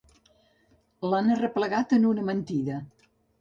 L'han arreplegat en una mentida.